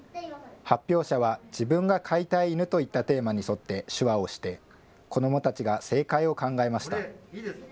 発表者は自分が飼いたい犬といったテーマに沿って手話をして、子どもたちが正解を考えました。